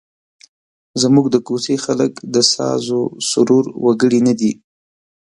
زموږ د کوڅې خلک د سازوسرور وګړي نه دي.